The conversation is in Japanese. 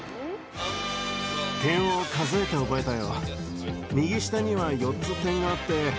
点を数えて覚えたよ。